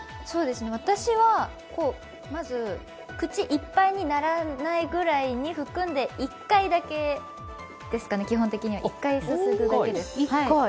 私はまず口いっぱいにならないぐらいに含んで１回だけですかね、基本的には、１回すすぐだけです。